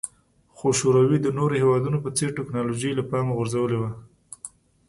خو شوروي د نورو هېوادونو په څېر ټکنالوژي له پامه غورځولې وه